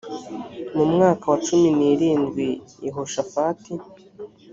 mu mwaka wa cumi n irindwi yehoshafati